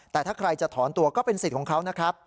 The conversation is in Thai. แต่ถ้าใครจะถอนตัวก็เป็นสิทธิ์ของเขานะครับ